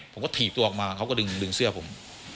ผมก็ถีบตัวออกมาเขาก็ดึงเสื้อผม